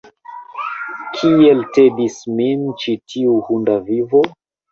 Kiel tedis min ĉi tiu hunda vivo!